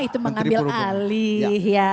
itu mengambil alih ya